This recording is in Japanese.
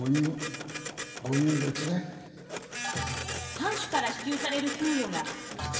藩主から支給される給与が扶持。